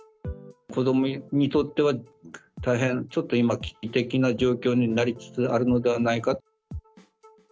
子どもにとっては大変、ちょっと今、危機的な状況になりつつあるのではないか。